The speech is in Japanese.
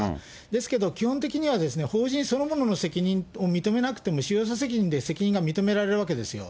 ですけど、基本的には法人そのものの責任を認めなくても、使用者責任で責任が認められるわけですよ。